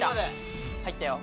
入ったよ。